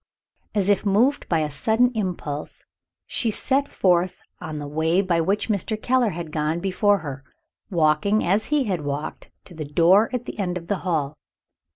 As if moved by a sudden impulse, she set forth on the way by which Mr. Keller had gone before her; walking, as he had walked, to the door at the end of the hall.